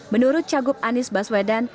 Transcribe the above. menurut cagup anis baswedan